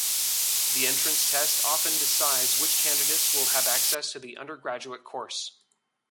The entrance test often decides which candidates will have access to the undergraduate course.